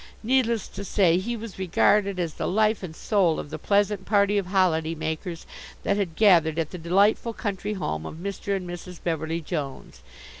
Needless to say, he was regarded as the life and soul of the pleasant party of holiday makers that had gathered at the delightful country home of Mr. and Mrs. Beverly Jones.